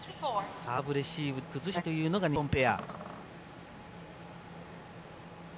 サーブレシーブで崩していきたいというのが日本ペア。